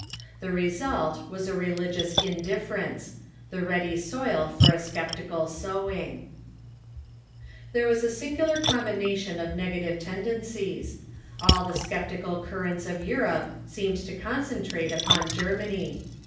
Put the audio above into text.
The result was a re ligious indifference — the ready soil for a sceptical sowing. KATIONALISM IN GERMANY 331 There was a singular combination of negative tendencies. All the sce}>tical currents of Europe seemed to concentrate upon German}'.